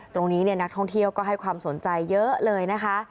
ตรงนี้นักท่องเที่ยวก็ให้ความสนใจเยอะเลยนะคะ